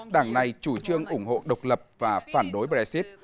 đảng này chủ trương ủng hộ độc lập và phản đối brexit